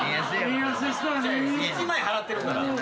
１万円払ってるから。